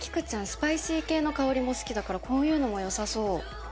スパイシー系の香りも好きだからこういうのも良さそう。